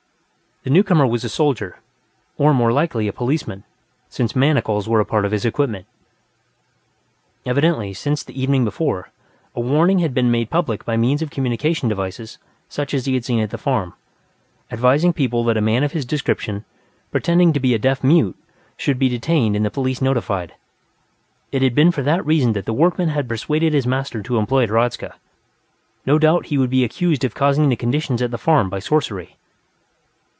The newcomer was a soldier, or, more likely, a policeman, since manacles were a part of his equipment. Evidently, since the evening before, a warning had been made public by means of communicating devices such as he had seen at the farm, advising people that a man of his description, pretending to be a deaf mute, should be detained and the police notified; it had been for that reason that the workman had persuaded his master to employ Hradzka. No doubt he would be accused of causing the conditions at the farm by sorcery.